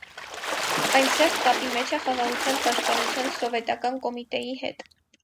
Այն սերտ կապի մեջ է խաղաղության պաշտպանության սովետական կոմիտեի հետ։